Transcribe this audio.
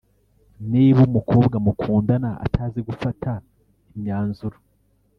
niba umukobwa mukundana atazi gufata imyanzuro